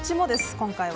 今回は。